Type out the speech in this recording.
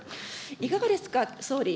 いかがですか、総理。